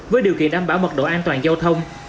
với điều kiện đảm bảo mật độ an toàn giao thông